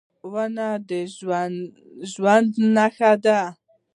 ونې د ژوند نښه ده.